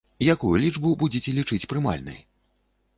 Якую лічбу будзеце лічыць прымальнай?